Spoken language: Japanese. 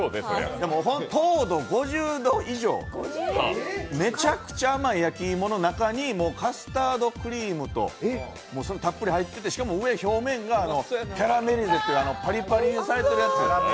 糖度５０度以上、めちゃくちゃ焼き芋の中にカスタードクリームと、たっぷり入っててしかも上、表面がキャラメリゼというパリパリにされているやつ。